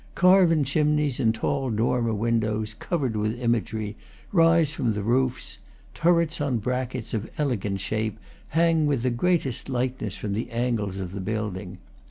Carven chimneys and tall dormer windows, covered with imagery, rise from the roofs; turrets on brackets, of elegant shape, hang with the greatest lightness from the angles of the building.